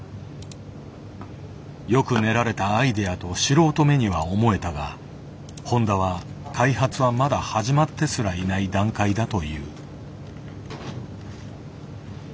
よく練られたアイデアと素人目には思えたが誉田は開発はまだ始まってすらいない段階だと言う。